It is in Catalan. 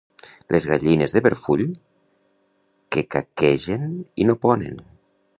Les gallines de Berfull, que caquegen i no ponen.